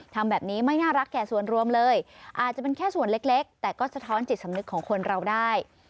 ทำแบบนี้ไม่น่ารักแก่ส่วนรวมเลยอาจจะเป็นแค่ส่วนเล็กแต่ก็สะท้อนจิตสำนึกของคนเราได้